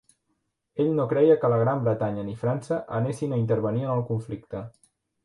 Ell no creia que la Gran Bretanya ni França anessin a intervenir en el conflicte.